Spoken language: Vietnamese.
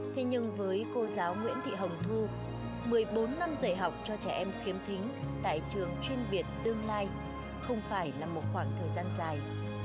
thế nhưng với cô giáo nguyễn thị hồng thu một mươi bốn năm dạy học cho trẻ em khiếm thính tại trường chuyên biệt tương lai không phải là một khoảng thời gian dài